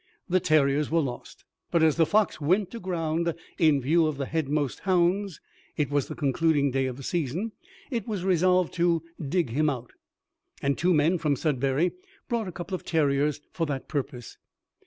The terriers were lost; but as the fox went to ground in view of the headmost hounds, and it was the concluding day of the season, it was resolved to dig him out, and two men from Sudbury brought a couple of terriers for that purpose.